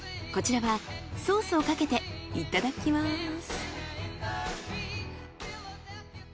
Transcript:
こちらはソースをかけていただきます。